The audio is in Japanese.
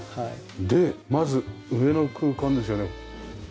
でまず上の空間ですよね。